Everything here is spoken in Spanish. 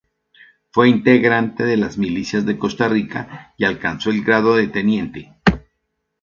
Fue integrante de las milicias de Costa Rica y alcanzó el grado de teniente.